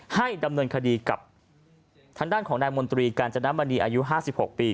ให้ดำเนินคดีกับทางด้านของนายมนตรีกาญจนมณีอายุ๕๖ปี